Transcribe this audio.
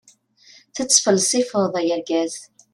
Tettfelsifeḍ a yargaz.